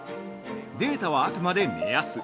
データはあくまで目安。